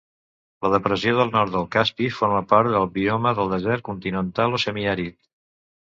La depressió del nord del Caspi forma part del bioma del desert continental o semiàrid.